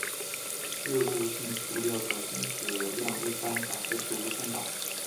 热固性塑料的分子量一般假设是无限大。